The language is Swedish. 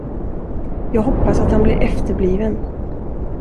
Jag hoppas att han blir efterbliven!